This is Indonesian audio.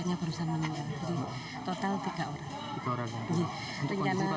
ada dua orang hari ini tiga orang bersama